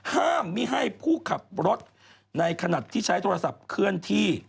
ห้ามไม่ให้ผู้ขับรถในขณะที่ใช้โทรศัพท์เคลื่อนที่